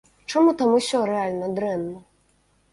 Чаму там усё рэальна дрэнна?!